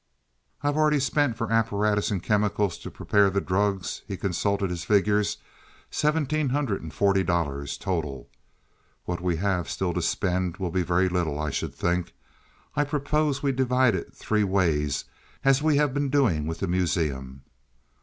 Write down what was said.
"I have already spent for apparatus and chemicals to prepare the drugs" he consulted his figures "seventeen hundred and forty dollars, total. What we have still to spend will be very little, I should think. I propose we divide it three ways as we have been doing with the Museum?"